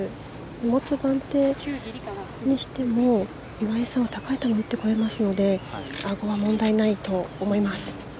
持つ番手にしても岩井さんは高い球を打ってこれますのであごは問題ないと思います。